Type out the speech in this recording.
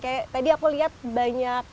kayak tadi aku lihat banyak